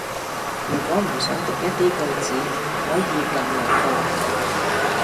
如果唔想讀一啲句子，可以撳略過